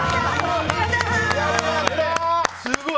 すごい！